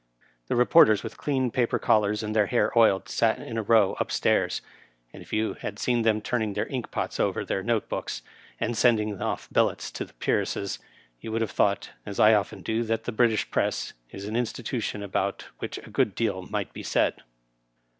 The reporters, with clean paper collars and their hair oiled, sat in a row lip stairs ; and if you had seen them turning their ink pots over their note books, and sending off billets to the peeresses, you would have thought, as I often do, that the British Press is an institution about which a good deal might be said.